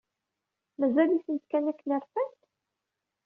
Mazal-itent kan akken rfant?